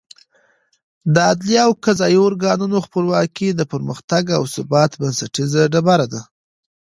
د عدلي او قضايي ارګانونو خپلواکي د پرمختګ او ثبات بنسټیزه ډبره ده.